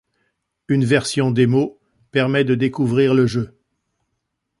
Une version démo permet de découvrir le jeu.